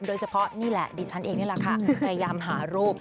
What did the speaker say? โดยเฉพาะนี่แหละดิฉันเองนี่แหละค่ะพยายามหารูป